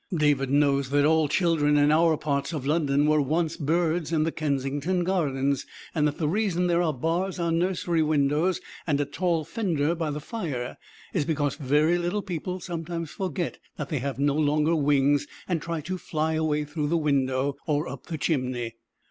David knows that all children in our part of London were once birds in the Kensington Gardens; and that the reason there are bars on nursery windows and a tall fender by the fire is because very little people sometimes forget that they have no longer wings, and try to fly away through the window or up the chimney.